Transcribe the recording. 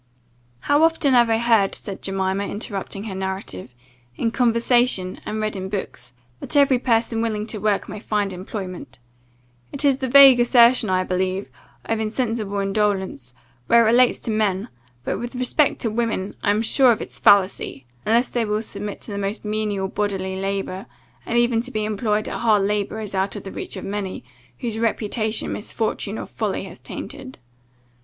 "How often have I heard," said Jemima, interrupting her narrative, "in conversation, and read in books, that every person willing to work may find employment? It is the vague assertion, I believe, of insensible indolence, when it relates to men; but, with respect to women, I am sure of its fallacy, unless they will submit to the most menial bodily labour; and even to be employed at hard labour is out of the reach of many, whose reputation misfortune or folly has tainted.